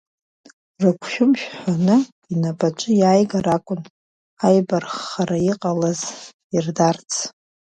Рыгәшәымшә ҳәаны, инапаҿы иааигар акәын, аибарххара иҟалаз ирдарц.